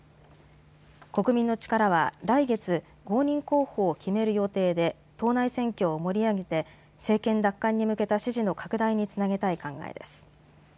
国民の力は来月公認候補を決める予定で党内選挙を盛り上げて政権奪還に向けた支持の拡大につなげたい考えです。